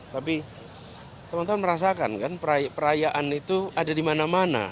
tapi teman teman merasakan kan perayaan itu ada di mana mana